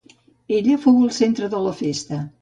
Ella fou el centre de la festa.